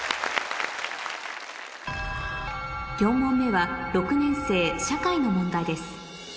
４問目は６年生社会の問題です